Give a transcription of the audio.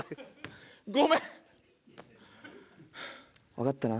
わかったな？